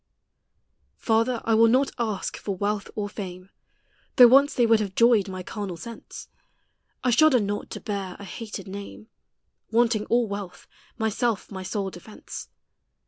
Father, I will not ask for wealth or fame, Though once they would have joyed my carnal sense : 1 shudder not to bear a hated name, Wanting all wealth, myself my sole defence.